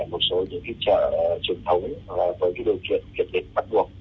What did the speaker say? và cho phép mở trở lại một số những cái chợ truyền thống với cái điều kiện kiệt định bắt buộc